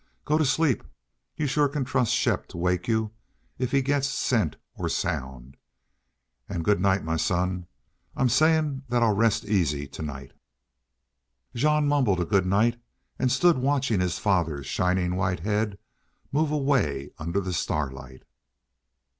Go to sleep. You shore can trust Shepp to wake you if he gets scent or sound.... An' good night, my son. I'm sayin' that I'll rest easy to night." Jean mumbled a good night and stood watching his father's shining white head move away under the starlight.